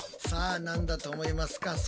さあ何だと思いますか？